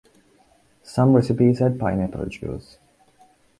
Some recipes add pineapple juice.